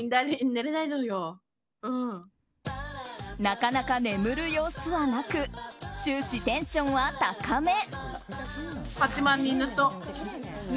なかなか眠る様子はなく終始テンションは高め。